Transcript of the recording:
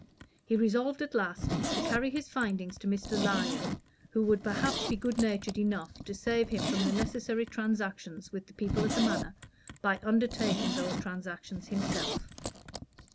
He resolved at last to carry his findings to Mr. Lyon, who would perhaps be good natured enough to save him from the necessary transactions with the people at the Manor by undertaking those transactions himself.